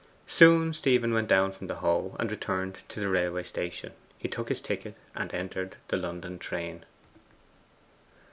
Soon Stephen went down from the Hoe, and returned to the railway station. He took his ticket, and entered the London train.